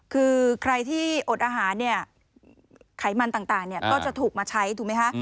คือใครที่อดอาหารเนี่ยไขมันต่างก็จะถูกมาใช้ถูกไหมคะ